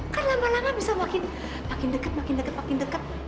kan lama lama bisa makin deket makin deket makin deket